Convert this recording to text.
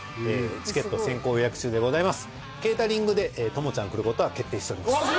チケット先行予約中でございますケータリングでともちゃん来ることは決定しておりますわあ